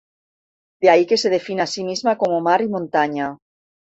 De ahí que se defina a sí misma como "Mar y montaña".